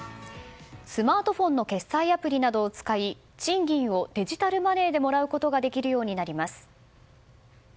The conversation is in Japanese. スマートフォンの決済アプリなどを使い賃金をデジタルマネーでもらうことができるようになります。